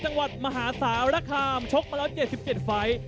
จังหวัดมหาสารคามชกมาแล้ว๗๗ไฟล์